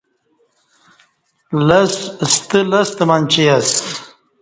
ستہ لستہ منچی اسہ۔